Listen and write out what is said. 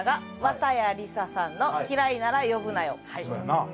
そうやんな。